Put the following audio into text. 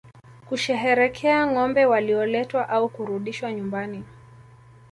Kusherehekea ngombe walioletwa au kurudishwa nyumbani